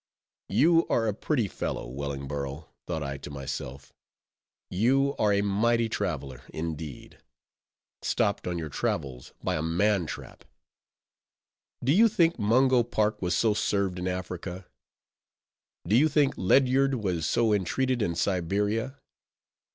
You are a pretty fellow, Wellingborough, thought I to myself; you are a mighty traveler, indeed:—stopped on your travels by a man trap! Do you think Mungo Park was so served in Africa? Do you think Ledyard was so entreated in Siberia?